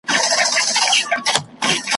نعمتونه وه پرېمانه هر څه ښه وه `